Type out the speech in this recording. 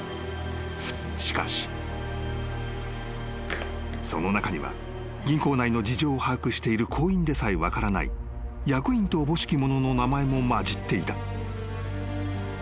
［しかし］［その中には銀行内の事情を把握している行員でさえ分からない役員とおぼしき者の名前も交じっていた］